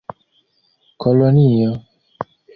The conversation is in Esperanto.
kolonio